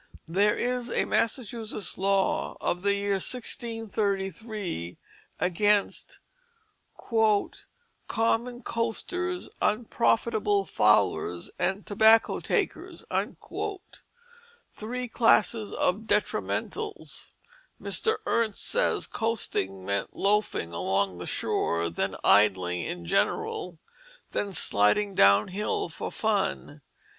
There is a Massachusetts law of the year 1633 against "common coasters, unprofitable fowlers and tobacco takers," three classes of detrimentals. Mr. Ernst says coasting meant loafing along the shore, then idling in general, then sliding down hill for fun.